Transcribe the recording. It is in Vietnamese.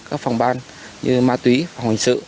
các phòng ban như ma túy phòng hành sự